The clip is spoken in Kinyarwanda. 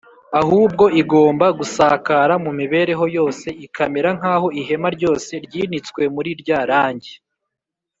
ahubwo igomba gusakara mu mibereho yose ikamera nk’aho ihema ryose ryinitswe muri rya rangi